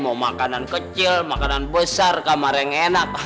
mau makanan kecil makanan besar kamar yang enak